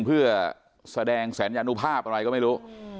เพื่อแสดงสัญญานุภาพอะไรก็ไม่รู้